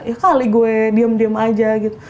ya kali gue diem diem aja gitu